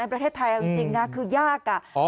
ประเทศไทยจริงคือยาก